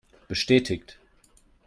Bestätigt!